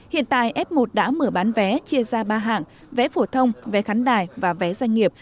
hiện tại f một đã mở bán vé chia ra ba hạng vé phổ thông vé khắn đài và vé doanh nghiệp